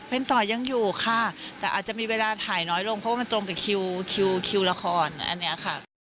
เป็นต่อยังอยู่ค่ะแต่อาจจะมีเวลาถ่ายน้อยลงเพราะว่ามันตรงกับคิวคิวละครอันนี้ค่ะ